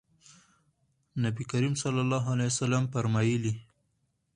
نبي کریم صلی الله علیه وسلم فرمایلي: